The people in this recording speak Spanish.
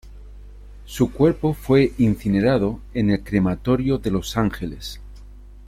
Su cuerpo fue incinerado en el crematorio de Los Ángeles.